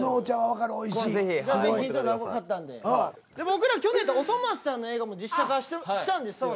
僕ら去年『おそ松さん』の映画も実写化したんですよ。